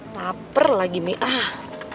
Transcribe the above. laper lagi nih